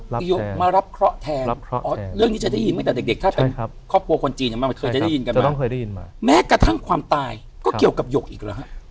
เลยแม้กระทั่งความตายก็เกี่ยวกับหยกอีกหรือครับคือ